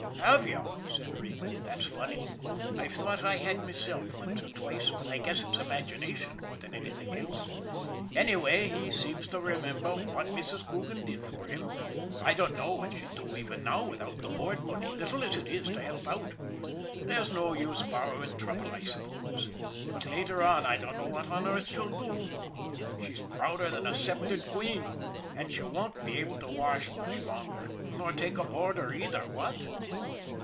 "Have you?" said Regan. "That's funny. I've thought I had myself once or twice, but I guess it's imagination more than anything else. Anyway, he seems to remember what Mrs. Coogan did for him. I dunno what she'd do even now without the board money, little as it is, to help out. There's no use bor rowing trouble I suppose, but later on I dunno what on earth she'll do. She's prouder than a sceptered queen and she won't be able to wash much longer, nor take a boarder either, what